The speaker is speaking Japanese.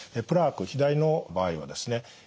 プラーク左の場合はですね